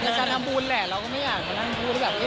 การทำบุญแหละเราก็ไม่อยากมานั่งพูดว่าแบบ